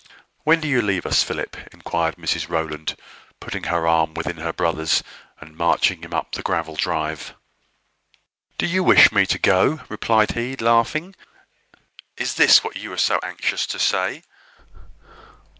"When do you leave us, Philip?" inquired Mrs Rowland, putting her arm within her brother's, and marching him up the gravel walk. "Do you wish me to go?" replied he, laughing. "Is this what you were so anxious to say?"